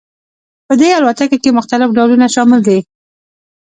په دې الوتکو کې مختلف ډولونه شامل دي